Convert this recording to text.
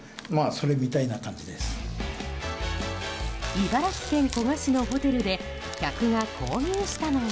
茨城県古河市のホテルで客が購入したのは。